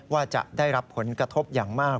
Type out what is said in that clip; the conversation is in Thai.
ว่าจะได้รับผลกระทบอย่างมาก